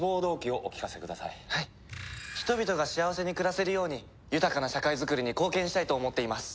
人々が幸せに暮らせるように豊かな社会づくりに貢献したいと思っています！